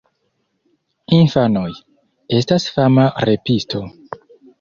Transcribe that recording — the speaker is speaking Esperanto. Infanoj: "Estas fama repisto!"